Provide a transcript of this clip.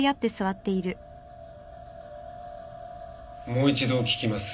もう一度聞きます。